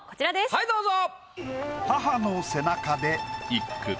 はいどうぞ。